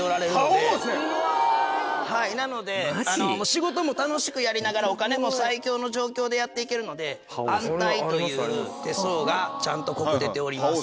仕事も楽しくやりながらお金も最強の状況でやって行けるので安泰という手相がちゃんと濃く出ております。